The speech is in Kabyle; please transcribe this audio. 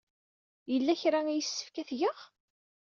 Yella kra ay yessefk ad t-geɣ?